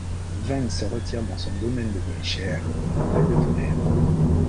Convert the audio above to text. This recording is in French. Vence se retire dans son domaine de Vaulichères, près de Tonnerre.